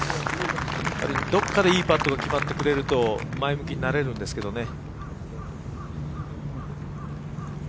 どこかでいいパットが決まってくれると前向きになれるんですけどね。